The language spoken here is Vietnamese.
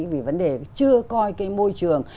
vì vấn đề chưa coi cái môi trường